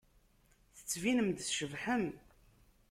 Tettbinem-d tcebḥem.